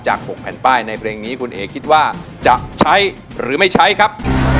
๖แผ่นป้ายในเพลงนี้คุณเอคิดว่าจะใช้หรือไม่ใช้ครับ